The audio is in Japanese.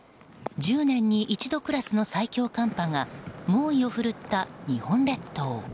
１０年に一度クラスの最強寒波が猛威を振るった日本列島。